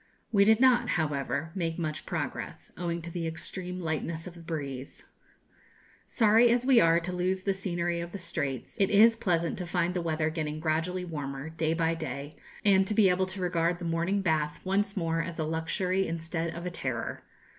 We did not, however, make much progress, owing to the extreme lightness of the breeze. Sorry as we are to lose the scenery of the Straits, it is pleasant to find the weather getting gradually warmer, day by day, and to be able to regard the morning bath once more as a luxury instead of a terror.